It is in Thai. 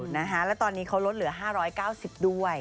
แล้วตอนนี้เขาลดเหลือ๕๙๐ด้วย